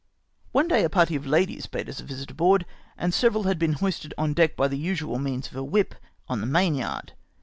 One day a party of ladies paid us a visit aboard, and several had been hoisted on deck by the usual means of a " whip " on the mainyard.